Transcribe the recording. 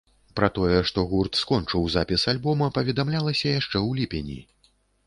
Пра тое, што гурт скончыў запіс альбома, паведамлялася яшчэ ў ліпені.